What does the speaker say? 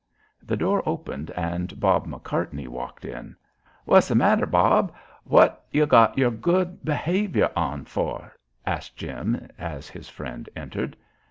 The door opened and Bob McCartney walked in. "What's the matter, Bob; what you got your good behavior on fur?" asked Jim as his friend entered.